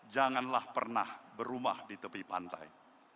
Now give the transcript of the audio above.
janganlah pernah berumah di tepi pantai